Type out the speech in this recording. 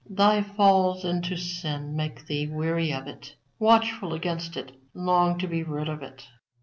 Thy falls into sin make thee weary of it, watchful against it, long to be rid of it.